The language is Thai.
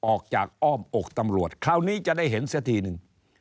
ออกจากอ้อมอกตำรวจคราวนี้จะได้เห็นเสียทีนึง